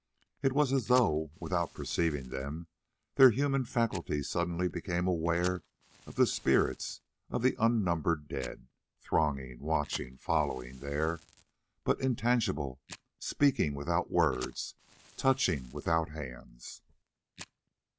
It was as though, without perceiving them, their human faculties suddenly became aware of the spirits of the unnumbered dead, thronging, watching, following—there, but intangible; speaking without words, touching without hands.